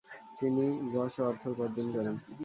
তিনি যশ ও অর্থ উপার্জন করেন।